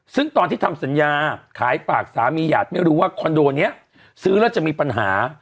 ซึ่งตอนที่ทำสัญญาขายฝากสามีหยาดไม่รู้ว่าคอนโดนี้ซื้อแล้วจะมีปัญหา